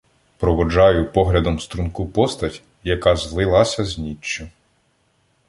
Проводжаю поглядом струнку постать, яка злилася з ніччю.